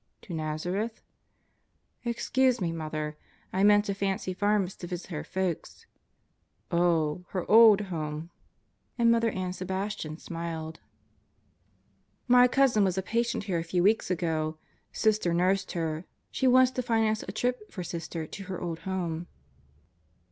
"To Nazareth?" "Excuse me, Mother; I meant to Fancy Farms to visit her folks." "Oh, her old home." And Mother Ann Sebastian smiled. "My cousin was a patient here a few weeks ago. Sister nursed her. She wants to finance a trip for Sister to her old home."